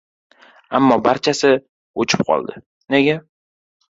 Ammo barchasi… o‘chib qoldi! Nega?